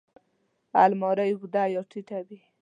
الماري اوږده یا ټیټه وي